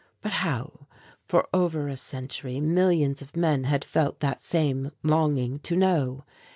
But how? For over a century millions of men had felt that same longing to know.